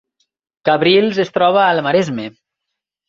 Cabrils es troba al Maresme